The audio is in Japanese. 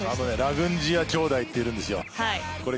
ラグンジヤ兄弟っているんです。